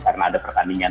karena ada pertandingan